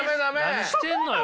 何してんのよ。